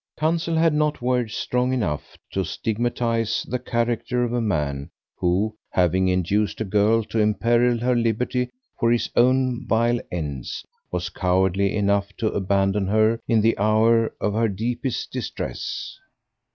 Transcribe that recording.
Counsel had not words strong enough to stigmatise the character of a man who, having induced a girl to imperil her liberty for his own vile ends, was cowardly enough to abandon her in the hour of her deepest distress.